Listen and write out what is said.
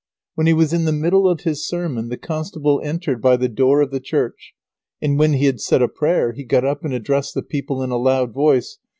When he was in the middle of his sermon the constable entered by the door of the church, and when he had said a prayer, he got up and addressed the people in a loud voice.